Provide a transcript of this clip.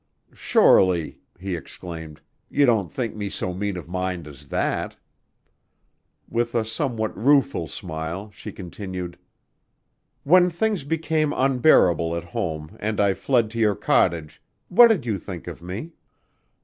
"Surely," he exclaimed, "you don't think me so mean of mind as that." With a somewhat rueful smile, she continued: "When things became unendurable at home and I fled to your cottage, what did you think of me?"